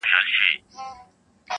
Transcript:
هر يو سر يې هره خوا وهل زورونه-